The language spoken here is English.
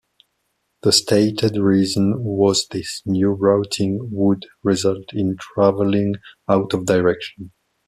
The stated reason was this new routing would result in traveling "out-of-direction".